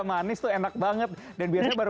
manis tuh enak banget dan biasanya baru